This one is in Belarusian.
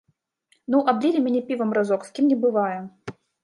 Ну, аблілі мяне півам разок, з кім не бывае.